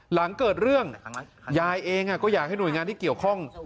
หลังเกิดเรื่องยายเองก็อยากให้หน่วยงานที่เกี่ยวข้อง